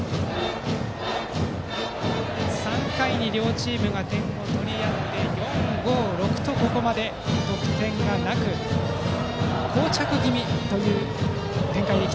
３回に両チームが点を取り合って４、５、６とここまで得点がなくこう着気味という展開。